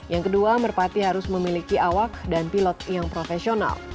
yang kedua merpati harus memiliki awak dan pilot yang profesional